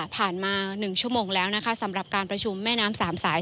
ผ่านมา๑ชั่วโมงแล้วนะคะสำหรับการประชุมแม่น้ำสามสาย